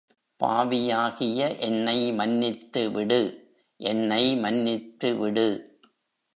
பாவியாகிய என்னை மன்னித்துவிடு, என்னை மன்னித்துவிடு.